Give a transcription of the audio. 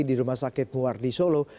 di rumah sakit muardi solo